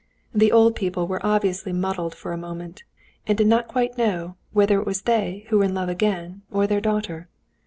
The old people were obviously muddled for a moment, and did not quite know whether it was they who were in love again or their daughter.